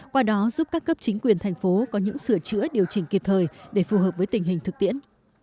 qua đó giúp các cấp chính quyền thành phố có những sửa chữa điều chỉnh kịp thời để phù hợp với tình hình thực tiễn